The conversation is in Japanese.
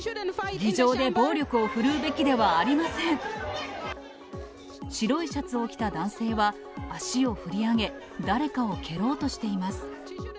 議場で暴力を振るうべきでは白いシャツを着た男性は足を振り上げ、誰かを蹴ろうとしています。